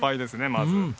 まず。